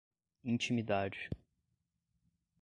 intimidade